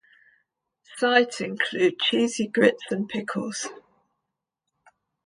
Sides included cheesy grits and pickles.